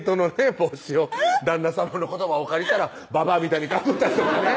帽子を旦那さまの言葉をお借りしたらばばあみたいにかぶった人がね